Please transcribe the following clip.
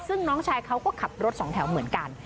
ซึ่งน้องชายเขาก็ขับรถสองแถวเหมือนกัน